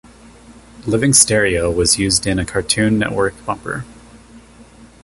"Living Stereo" was used in a Cartoon Network bumper.